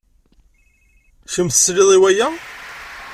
Kemm tesliḍ i waya?